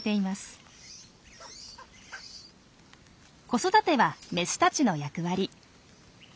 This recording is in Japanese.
子育てはメスたちの役割。